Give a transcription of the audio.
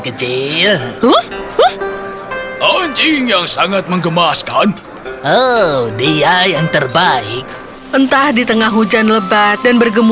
hachi bagaimana kau disini sepanjang